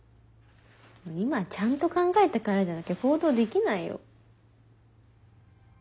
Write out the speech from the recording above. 今はちゃんと考えてからじゃなきゃ行動できないよ。